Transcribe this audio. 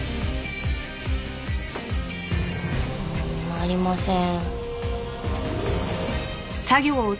ありません。